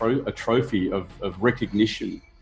sebuah trofi pengenalan